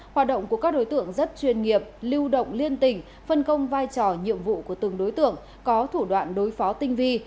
hoạt động của các đối tượng rất chuyên nghiệp lưu động liên tỉnh phân công vai trò nhiệm vụ của từng đối tượng có thủ đoạn đối phó tinh vi